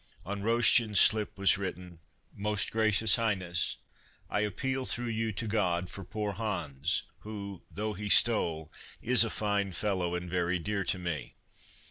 On Roschen's slip was written: "Most gracious highness: I appeal through you to God for poor Hans, who, though he stole, is a fine fellow and very dear to me.